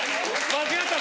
間違った！